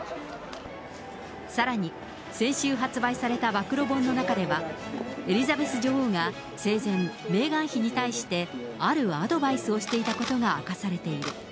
さらに先週発売された暴露本の中では、エリザベス女王が生前、メーガン妃に対して、あるアドバイスをしていたことが明かされている。